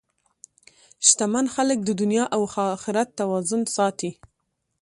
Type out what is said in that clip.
شتمن خلک د دنیا او اخرت توازن ساتي.